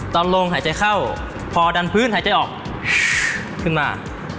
ตอนลงหายใจเข้าพอดันพื้นหายใจออกขึ้นมา